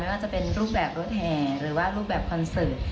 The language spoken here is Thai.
ว่าจะเป็นรูปแบบรถแห่หรือว่ารูปแบบคอนเสิร์ต